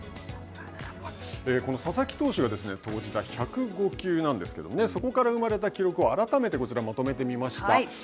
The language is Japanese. この佐々木投手が投じた１０５球なんですけどそこから生まれた記録を改めてこちらにまとめてみました。